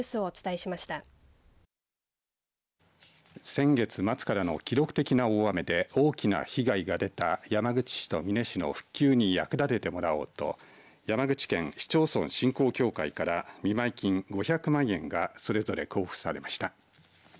先月末からの記録的な大雨で大きな被害が出た山口市と美祢市の復旧に役立ててもらおうと山口県市町村振興協会から見舞い金５００万円がそれぞれ交付されました。